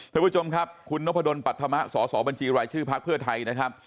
ทุกผู้ชมครับคุณนพดลปรัฐธรรมะสสบัญชีรายชื่อภักดิ์เพื่อไทยนะครับ